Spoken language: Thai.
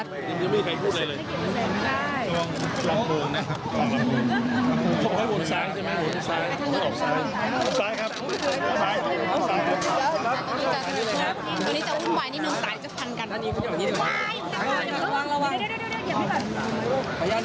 ตอนนี้จะวุ่นวายนิดนึงสายจะฟันกัน